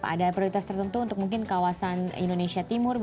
ada prioritas tertentu untuk mungkin kawasan indonesia timur